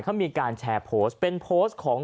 เขามีการแชร์โพสต์เป็นโพสต์ของ